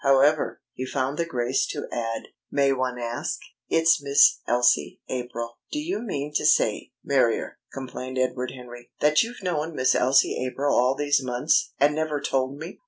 However, he found the grace to add: "May one ask?" "It's Miss Elsie April." "Do you mean to say, Marrier," complained Edward Henry, "that you've known Miss Elsie April all these months and never told me?